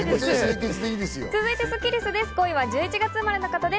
続いてスッキりすです。